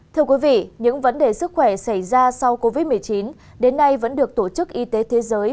thưa quý vị những vấn đề sức khỏe xảy ra sau covid một mươi chín đến nay vẫn được tổ chức y tế thế giới